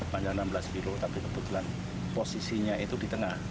panjang enam belas kilo tapi kebetulan posisinya itu di tengah